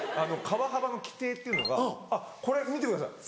川幅の規定っていうのがあっこれ見てください。